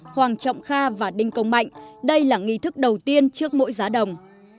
hoàng trọng kha và đinh công mạnh đây là nghi thức đầu tiên trước mỗi giá đồng